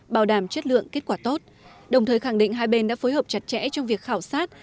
bảo đảm chất lượng kết quả tốt đồng thời khẳng định hai bên đã phối hợp chặt chẽ trong việc khảo sát